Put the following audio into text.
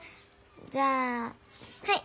じゃあはい。